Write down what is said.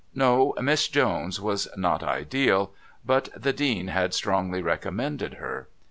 No, Miss Jones was not ideal, but the Dean had strongly recommended her.